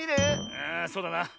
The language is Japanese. ああそうだな。